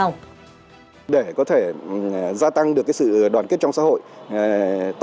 để có thể gia tăng được sự đoàn kết trong xã hội để có thể gia tăng được sự đoàn kết trong xã hội để có thể gia tăng được sự đoàn kết trong xã hội